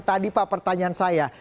tadi pak pertanyaan saya